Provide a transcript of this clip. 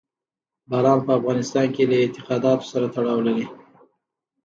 باران په افغانستان کې له اعتقاداتو سره تړاو لري.